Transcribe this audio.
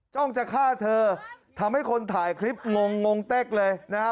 ้องจะฆ่าเธอทำให้คนถ่ายคลิปงงงเต๊กเลยนะฮะ